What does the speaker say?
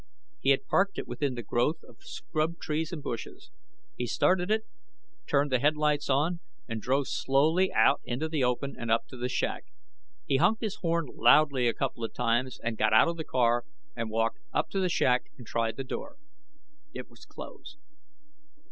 He had parked it within the growth of scrub trees and bushes. He started it, turned the headlights on, and drove slowly out into the open and up to the shack. He honked his horn loudly a couple of times and got out of the car and walked up to the shack and tried the door. It was closed.